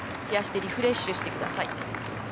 冷やしてリフレッシュしてください。